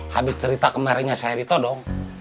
habis cerita kemarinnya saya ditodong